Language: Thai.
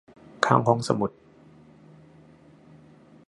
ข้างห้องสมุด